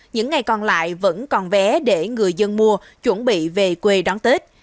những ngày còn lại vẫn còn vé để người dân mua chuẩn bị về quê đón tết